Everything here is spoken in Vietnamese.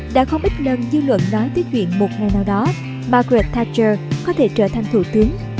đã không ít lần dư luận nói tới chuyện một ngày nào đó margaret thatcher có thể trở thành thủ tướng